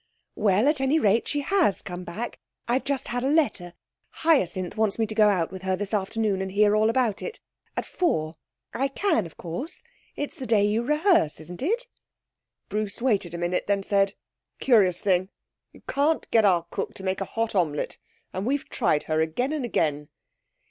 'Well, at any rate, she has come back I've just had a letter Hyacinth wants me to go out with her this afternoon and hear all about it. At four. I can, of course; it's the day you rehearse, isn't it?' Bruce waited a minute, then said 'Curious thing, you can't get our cook to make a hot omelette! And we've tried her again and again.'